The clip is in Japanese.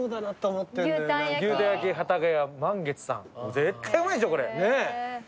絶対うまいでしょこれ。ねぇ。